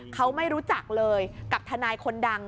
เขาไม่รู้จักเลยกับทนายคนดัง